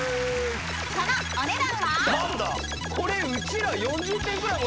［そのお値段は？］